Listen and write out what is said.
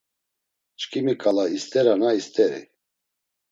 Çkimi ǩala isterana isteri.